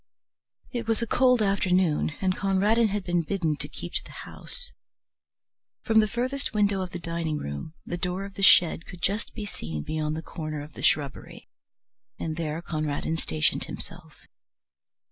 It was a cold afternoon, and Conradin had been bidden to keep to the house. From the furthest window of the dining room the door of the shed could just be seen beyond the corner of the shrubbery, and there Conradin stationed himself.